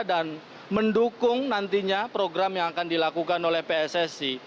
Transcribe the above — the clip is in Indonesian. dan mendukung nantinya program yang akan dilakukan oleh pssi